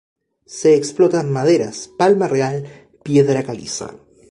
Se explotan maderas, palma real, piedra caliza.